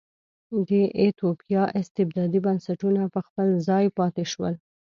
د ایتوپیا استبدادي بنسټونه په خپل ځای پاتې شول.